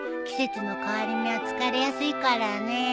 季節の変わり目は疲れやすいからね。